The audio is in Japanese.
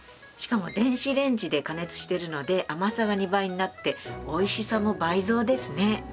しかも電子レンジで加熱してるので甘さが２倍になっておいしさも倍増ですね。